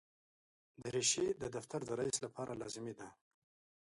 دریشي د دفتر د رئیس لپاره لازمي ده.